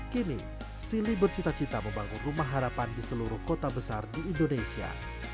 kini silly bercita cita membangun rumah harapan di seluruh kota besar di indonesia